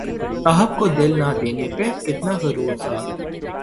صاحب کو دل نہ دینے پہ کتنا غرور تھا